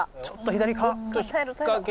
ちょっと左か？